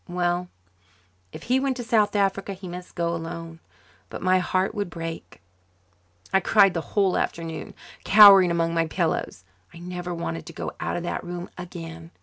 Well, if he went to South Africa he must go alone. But my heart would break. I cried the whole afternoon, cowering among my pillows. I never wanted to go out of that room again.